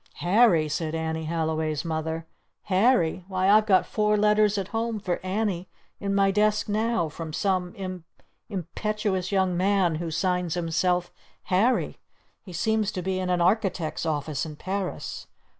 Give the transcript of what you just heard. '" "'Harry?'" said Annie Halliway's Mother. "'Harry?' Why, I've got four letters at home for Annie in my desk now from some im impetuous young man who signs himself 'Harry!' He seems to be in an Architect's office in Paris!